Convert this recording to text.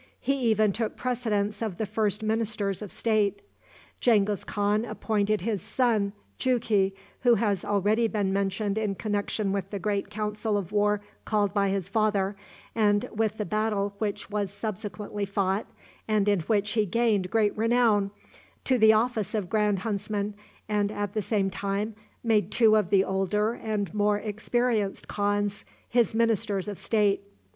He even took precedence of the first ministers of state. Genghis Khan appointed his son Jughi, who has already been mentioned in connection with the great council of war called by his father, and with the battle which was subsequently fought, and in which he gained great renown, to the office of grand huntsman, and, at the same time, made two of the older and more experienced khans his ministers of state.